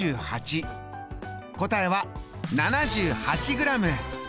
答えは７８ｇ。